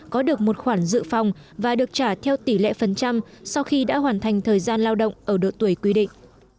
có được một khoản dự phòng và được trả theo tỷ lệ phần trăm sau khi đã hoàn thành thời gian lao động ở độ tuổi quy định